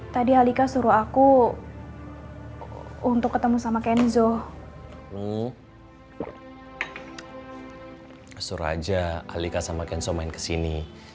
terima kasih ya sayang nanti aku suruh mereka kesini